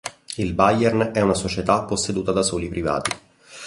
Il Bayern è una società posseduta da soli privati.